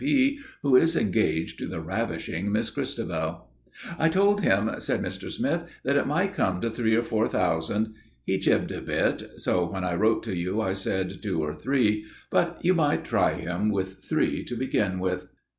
P., who is engaged to the ravishing Miss Christabel." "I told him," said Mr. Smith, "that it might come to three or four thousand. He jibbed a bit so when I wrote to you I said two or three. But you might try him with three to begin with."